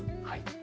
はい。